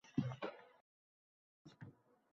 deylik... sotib olish uchun yuz minglab xarajat kerak